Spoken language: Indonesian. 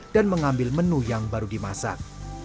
dan mengambil menu yang baru dimasak